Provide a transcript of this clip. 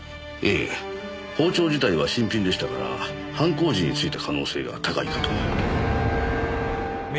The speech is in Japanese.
ええ包丁自体は新品でしたから犯行時についた可能性が高いかと。